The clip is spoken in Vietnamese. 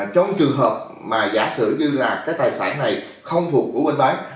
trong trường hợp mà giả sử như là cái tài sản này không thuộc của bên bán